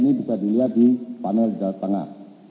ini bisa dilihat di panel di tengah